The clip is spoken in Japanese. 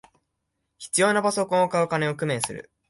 必要なパソコンを買う金を工面する